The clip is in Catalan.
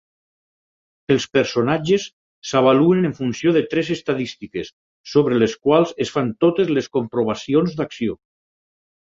Els personatges s'avaluen en funció de tres "estadístiques", sobre les quals es fan totes les comprovacions d'acció.